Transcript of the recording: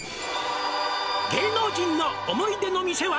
「芸能人の思い出の店は」